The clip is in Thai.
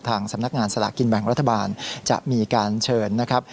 สำนักงานสลากกินแบ่งรัฐบาลจะมีการเชิญนะครับ